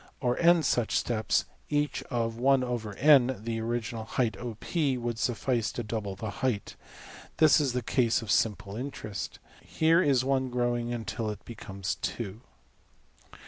Or $n$~such steps, each of $\dfrac{n}$~of the original height~$OP$, would suffice to double the height. This is the case of simple interest. Here is $1$~growing till it becomes~$2$.